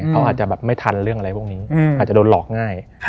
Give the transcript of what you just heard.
เขาอาจจะแบบไม่ทันเรื่องอะไรพวกนี้อาจจะโดนหลอกง่าย